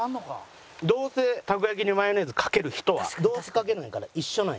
どうせたこ焼きにマヨネーズかける人はどうせかけるんやから一緒なんよ。